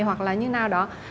hoặc là như nào đó